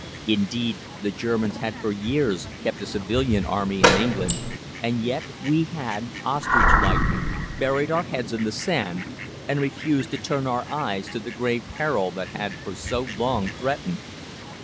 Indeed, the Germans had for years kept a civilian army in England, and yet we had, ostrich like, buried our heads in the sand, and refused to turn our eyes to the grave peril that had for so long threatened.